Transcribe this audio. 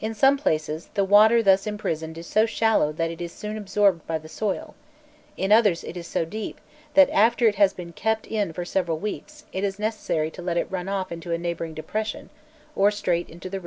In some places, the water thus imprisoned is so shallow that it is soon absorbed by the soil; in others, it is so deep, that after it has been kept in for several weeks, it is necessary to let it run off into a neighbouring depression, or straight into the river itself.